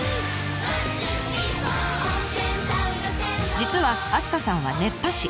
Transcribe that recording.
実は明日香さんは熱波師。